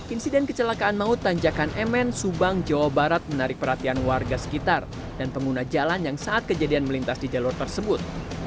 insiden kecelakaan maut tanjakan mn subang jawa barat menarik perhatian warga sekitar dan pengguna jalan yang saat kejadian melintas di jalur tersebut